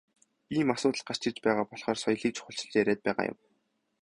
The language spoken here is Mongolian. Ийм асуудал гарч ирж байгаа болохоор соёлыг чухалчилж яриад байгаа юм.